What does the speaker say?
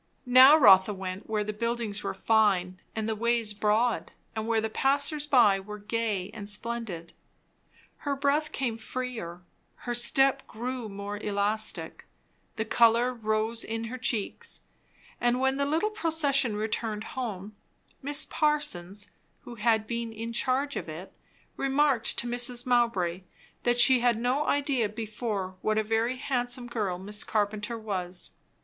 Now Rotha went where the buildings were fine and the ways broad, and where the passers by were gay and splendid. Her breath came freer, her step grew more elastic, the colour rose in her cheeks; and when the little procession returned home, Miss Parsons, who had been in charge of it, remarked to Mrs. Mowbray that she had no idea before what a very handsome girl Miss Carpenter was.